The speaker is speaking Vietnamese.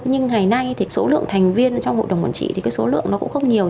nhưng ngày nay thì số lượng thành viên trong hội đồng quản trị thì cái số lượng nó cũng không nhiều